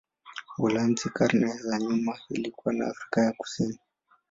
Uholanzi karne za nyuma ilikuwa na Afrika Kusini.